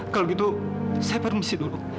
kalau gitu saya permisi dulu